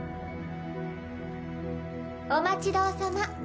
・お待ちどおさま。